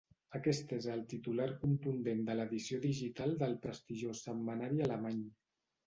Aquest és el titular contundent de l’edició digital del prestigiós setmanari alemany.